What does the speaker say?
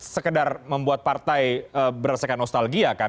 sekedar membuat partai berasakan nostalgia kan